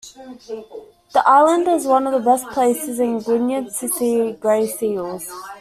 The island is one of the best places in Gwynedd to see grey seals.